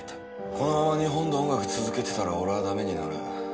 このまま日本で音楽続けてたら俺はダメになる。